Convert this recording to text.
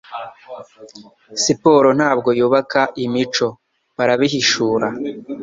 Siporo ntabwo yubaka imico. Barabihishura. ”